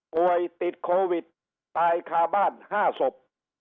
ป่วยติดโควิดตายคาบ้าน๕ศพ